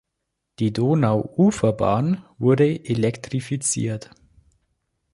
Die Donauuferbahn wurde elektrifiziert.